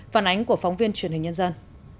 phản ánh của phóng viên truyền hình nhân dân